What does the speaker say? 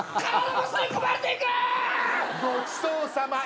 ごちそうさま。